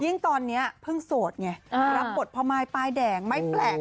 ยิ่งตอนนี้เพิ่งโสดเนี่ยรับบทพระมายปลายแดงไม่แปลก